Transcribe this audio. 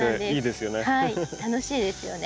楽しいですよね。